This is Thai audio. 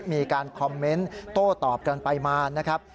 มีการคอมเมนต์โต้ตอบกันไปมานะครับ